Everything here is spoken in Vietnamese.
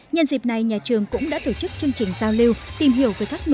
nhân dịp này nhà trường cũng đã tổ chức chương trình giao lưu tìm hiểu về các nội dung